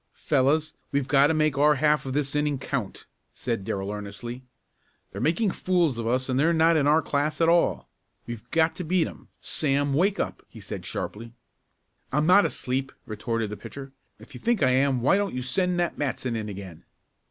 "Fellows, we've got to make our half of this inning count," said Darrell earnestly. "They're making fools of us and they're not in our class at all. We've got to beat them! Sam, wake up!" he said sharply. "I'm not asleep!" retorted the pitcher. "If you think I am why don't you send that Matson in again?"